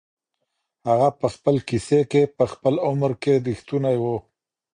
هغه په خپل کیسې کي په خپل عمر کي رښتونی و.